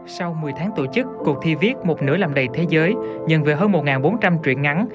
sau một mươi tháng tổ chức cuộc thi viết một nửa làm đầy thế giới nhận về hơn một bốn trăm linh chuyện ngắn